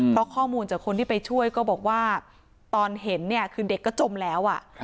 เพราะข้อมูลจากคนที่ไปช่วยก็บอกว่าตอนเห็นเนี่ยคือเด็กก็จมแล้ว